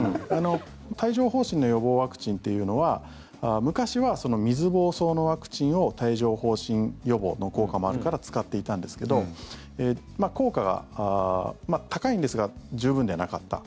帯状疱疹の予防ワクチンというのは昔は水ぼうそうのワクチンを帯状疱疹予防の効果もあるから使っていたんですけど効果が高いんですが十分ではなかった。